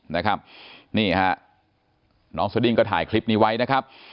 นะครับนี่ฮะน้องสดิ้งก็ถ่ายคลิปนี้ไว้นะครับ